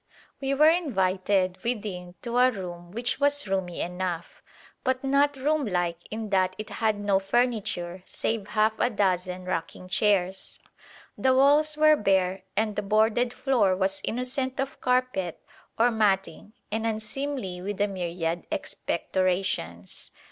We were invited within to a room which was roomy enough, but not room like in that it had no furniture, save half a dozen rocking chairs. The walls were bare, and the boarded floor was innocent of carpet or matting and unseemly with a myriad expectorations.